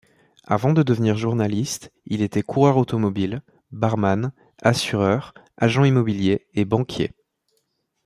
Avant de devenir journaliste, il est coureur automobile, barman, assureur, agent immobilier et banquier.